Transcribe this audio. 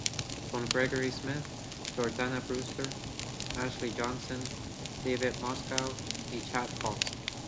Con Gregory Smith, Jordana Brewster, Ashley Johnson, David Moscow y Chad Faust.